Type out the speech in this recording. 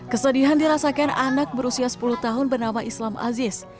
kesedihan dirasakan anak berusia sepuluh tahun bernama islam aziz